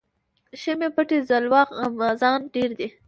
شمعی پټي ځلوه غمازان ډیر دي